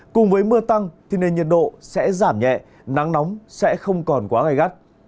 cùng với mưa tăng thì nền nhiệt độ sẽ giảm nhẹ nắng nóng sẽ không còn quá gai gắt